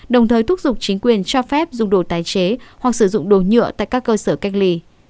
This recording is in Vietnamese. đồng thời thúc giục chính quyền cho phép dùng đồ tái chế hoặc sử dụng đồ nhựa tại các cơ sở cách ly